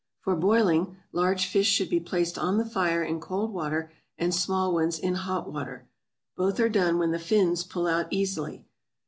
For boiling, large fish should be placed on the fire in cold water, and small ones in hot water; both are done when the fins pull out easily.